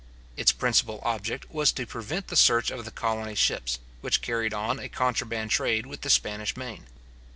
Its principal object was to prevent the search of the colony ships, which carried on a contraband trade with the Spanish Main.